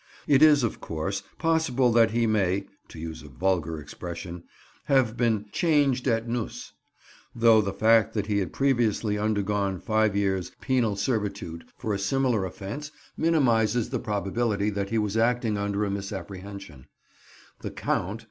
It is, of course, possible that he may (to use a vulgar expression) have been "changed at nuss," though the fact that he had previously undergone five years' penal servitude for a similar offence minimizes the probability that he was acting under a misapprehension. The Count!